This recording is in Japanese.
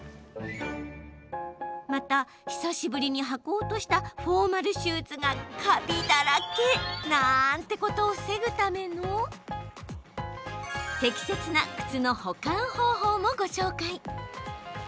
また、久しぶりに履こうとしたフォーマルシューズがカビだらけなんてことを防ぐための適切な靴の保管方法もご紹介。